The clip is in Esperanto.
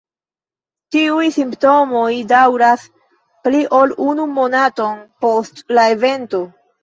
Tiuj simptomoj daŭras pli ol unu monaton post la evento.